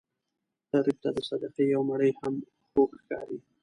غریب ته د صدقې یو مړۍ هم خوږ ښکاري